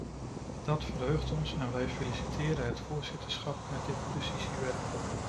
Dat verheugt ons en wij feliciteren het voorzitterschap met dit precisiewerk.